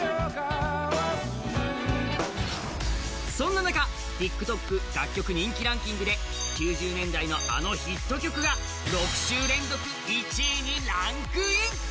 そんな中、ＴｉｋＴｏｋ楽曲人気ランキングで、９０年代のあのヒット曲が６週連続１位にランクイン。